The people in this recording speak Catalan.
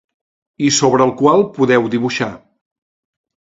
I sobre el qual podeu dibuixar.